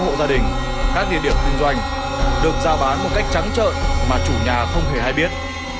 các hộ gia đình các địa điểm kinh doanh được giao bán một cách trắng trợ mà chủ nhà không hề hay biết